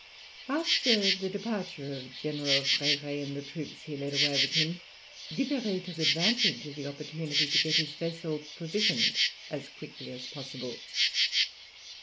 After the departure of General Freire, and the troops he led away with him, Duperrey took advantage of the opportunity to get his vessel provisioned as quickly as possible.